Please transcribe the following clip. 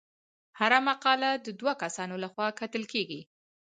هره مقاله د دوه کسانو لخوا کتل کیږي.